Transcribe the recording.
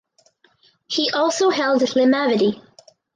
He also held Limavady.